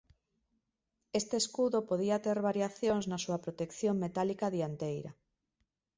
Este escudo podía ter variacións na súa protección metálica dianteira.